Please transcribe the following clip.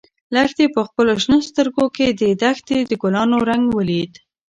لښتې په خپلو شنه سترګو کې د دښتې د ګلانو رنګ ولید.